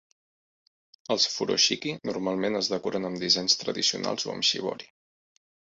Els "Furoshiki" normalment es decoren amb dissenys tradicionals o amb shibori.